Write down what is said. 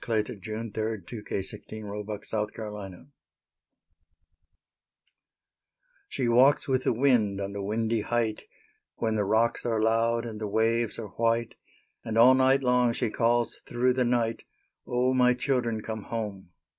A Voice on the Wind A VOICE ON THE WIND She walks with the wind on the windy height When the rocks are loud and the waves are white, And all night long she calls through the night, "O, my children, come home!"